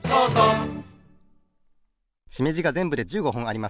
しめじがぜんぶで１５ほんあります。